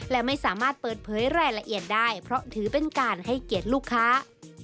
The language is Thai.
และไม่สามารถเปิดเผยรายละเอียดได้เพราะถือเป็นการให้เกียรติลูกค้า